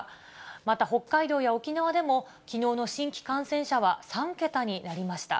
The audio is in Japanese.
また北海道や沖縄でも、きのうの新規感染者は３桁になりました。